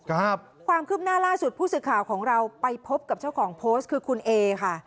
ความคืบหน้าล่าสุดผู้สื่อข่าวของเราไปพบกับเจ้าของโพสต์คือคุณเอค่ะ